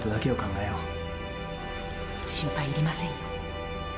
心配いりませんよ。